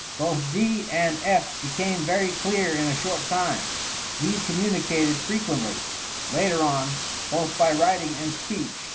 Both D. and F. became very clear in a short time. D. communicated frequently, later on, both by writing and speech."